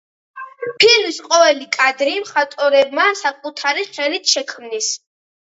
ფილმის ყოველი კადრი მხატვრებმა საკუთარი ხელით შექმნეს.